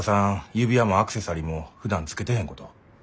指輪もアクセサリーもふだん着けてへんこと。